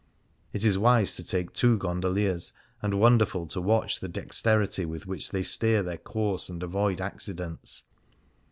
It is wise to take two gondoliers, and wonderful to watch the dexterity with which they steer their course and avoid accidents.